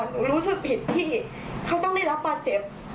รู้สึกผิดพี่เขาต้องได้รับบาดเจ็บ